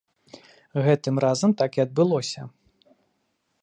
Гэтым разам так і адбылося.